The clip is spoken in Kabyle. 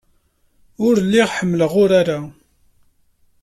Ur lliɣ ḥemmleɣ urar-a.